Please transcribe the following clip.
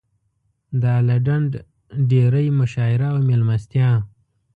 د اله ډنډ ډېرۍ مشاعره او مېلمستیا.